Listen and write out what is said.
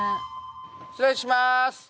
失礼します！